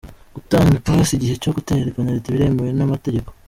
Gutanga ipasi igihe co gutera penaliti biremewe n'amategeko.